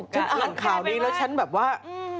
ฉันอ่านข่าวนี้แล้วฉันแบบว่า